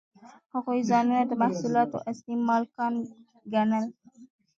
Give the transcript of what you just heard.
هغوی ځانونه د محصولاتو اصلي مالکان ګڼل